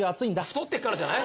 太ってるからじゃない？